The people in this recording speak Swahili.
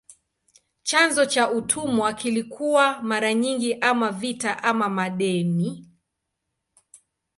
Chanzo cha utumwa kilikuwa mara nyingi ama vita ama madeni.